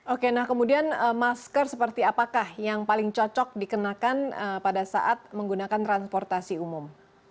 oke nah kemudian masker seperti apakah yang paling cocok dikenakan pada saat menggunakan transportasi umum